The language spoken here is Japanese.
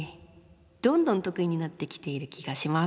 どんどんとくいになってきている気がします。